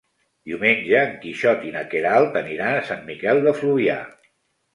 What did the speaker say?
Diumenge en Quixot i na Queralt aniran a Sant Miquel de Fluvià.